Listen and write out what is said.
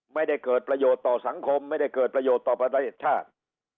ไม่ได้เกิดประโยชน์ต่อสังคมไม่ได้เกิดประโยชน์ต่อประเทศชาติ